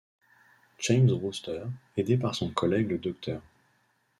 James Brewster, aidé par son collègue le Dr.